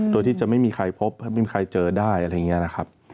โดยที่จะไม่มีใครพบไม่มีใครเจอได้อะไรอย่างนี้นะครับ